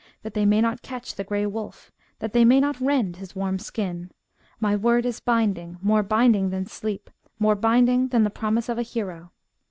That they may not catch the grey wolf. That they may not rend his warm skin ! My word is binding, more binding than sleep. More binding than the promise of a hero